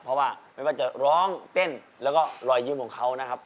เพราะว่าไม่ว่าจะร้องเต้นแล้วก็รอยยิ้มของเขานะครับ